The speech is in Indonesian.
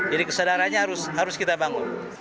jadi kesadarannya harus kita bangun